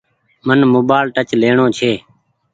من موبآئيل ٽچ ليڻو ڇي۔